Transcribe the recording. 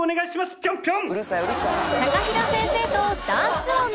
ピョンピョン！